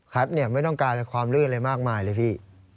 ไม่ต้องการความลื่นอะไรมากมายเลยพี่